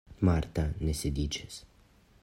Marta ne sidiĝis.